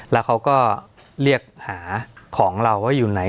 แล้วเขาก็เรียกหาของเราว่าอยู่ไหน